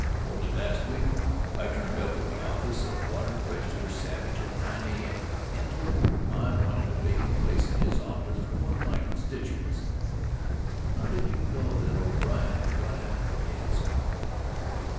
Only last week I turned up at the office of Water Register Savage at 9 A.M. and told him I wanted a vacant place in his office for one of my constituents. "How did you know that O'Brien had got out?" he asked me.